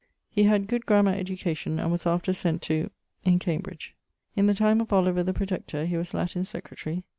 He had good grammar education: and was after sent to ..., in Cambridge. In the time of Oliver the Protector he was Latin Secretarie.